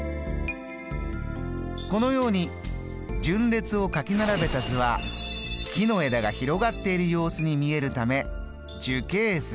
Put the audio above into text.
このように順列を書き並べた図は木の枝が広がっている様子に見えるため樹形図